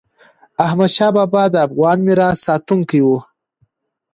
احمدشاه بابا د افغان میراث ساتونکی و.